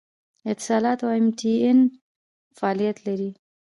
اتصالات او ایم ټي این فعالیت لري